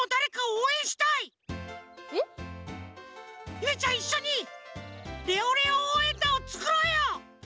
ゆめちゃんいっしょにレオレオおうえんだんをつくろうよ！